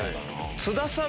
津田さん